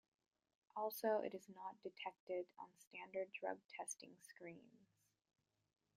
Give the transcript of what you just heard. Also it is not detected on standard drug testing screens.